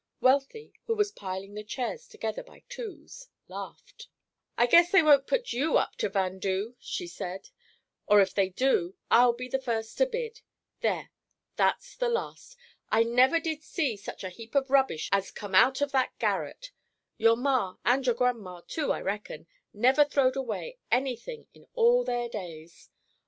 Wealthy, who was piling the chairs together by twos, laughed. "I guess they won't put you up to 'vandoo,'" she said; "or, if they do, I'll be the first to bid. There, that's the last! I never did see such a heap of rubbish as come out of that garret; your Ma, and your Grandma, too, I reckon, never throwed away any thing in all their days.